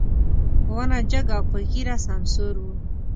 په ونه جګ او په ږيره سمسور و.